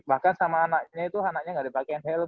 bahkan sama anaknya itu anaknya tidak dipakai helm